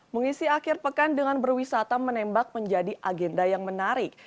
mengisi akhir pekan dengan berwisata menembak menjadi agenda yang menarik